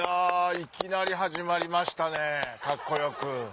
いきなり始まりましたねカッコよく。